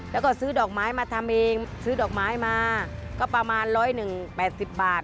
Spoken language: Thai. แล้วก็ซื้อดอกไม้มาทำเองซื้อดอกไม้มาก็ประมาณ๑๘๐บาท